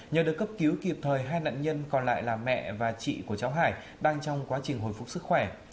nhờ được cấp cứu kịp thời hai nạn nhân còn lại là mẹ và chị của cháu hải đang trong quá trình hồi phục sức khỏe